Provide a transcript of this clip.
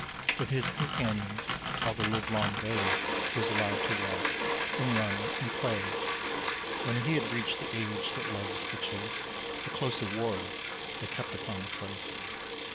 With his companions, all the live long day, He was allowed to walk, and run, and play. When he had reached the age that loves the chase, A closer ward they kept upon the place.